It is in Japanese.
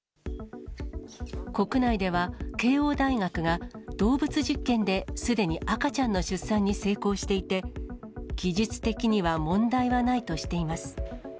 国内では慶応大学が、動物実験ですでに赤ちゃんの出産に成功していて、技術的には問題はないとしています。